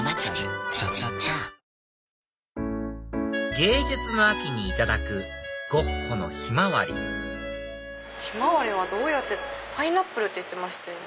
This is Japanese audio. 芸術の秋にいただくゴッホの『ひまわり』ヒマワリはどうやってパイナップルって言ってましたね。